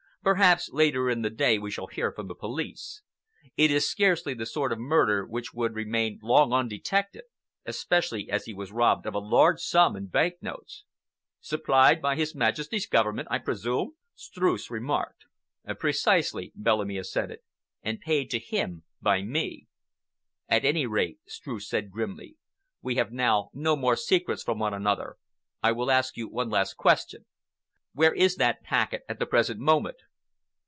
Perhaps later in the day we shall hear from the police. It is scarcely the sort of murder which would remain long undetected, especially as he was robbed of a large sum in bank notes." "Supplied by His Majesty's Government, I presume?" Streuss remarked. "Precisely," Bellamy assented, "and paid to him by me." "At any rate," Streuss said grimly, "we have now no more secrets from one another. I will ask you one last question. Where is that packet at the present moment?"